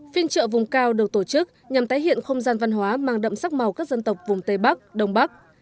phiên trợ vùng cao được tổ chức nhằm tái hiện không gian văn hóa mang đậm sắc màu các dân tộc vùng tây bắc đông bắc